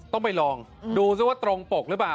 ต้องไปลองดูซิว่าตรงปกหรือเปล่า